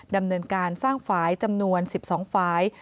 ดำเนินการสร้างฝ่ายจำนวน๑๒ฝ่าย